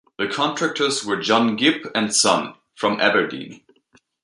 The contractors were John Gibb and Son, from Aberdeen.